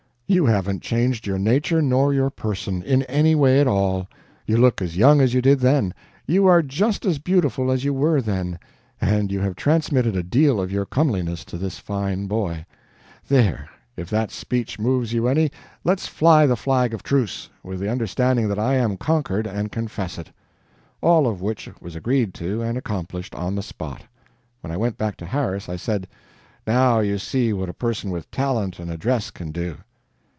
You haven't changed your nature nor your person, in any way at all; you look as young as you did then, you are just as beautiful as you were then, and you have transmitted a deal of your comeliness to this fine boy. There if that speech moves you any, let's fly the flag of truce, with the understanding that I am conquered and confess it." All of which was agreed to and accomplished, on the spot. When I went back to Harris, I said: "Now you see what a person with talent and address can do."